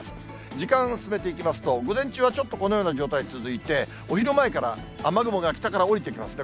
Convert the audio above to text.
時間進めていきますと、午前中はちょっとこのような状態続いて、お昼前から雨雲が北からおりてきますね。